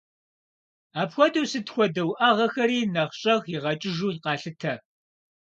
Апхуэдэу сыт хуэдэ уӏэгъэхэри нэхъ щӏэх игъэкӏыжу къалъытэ.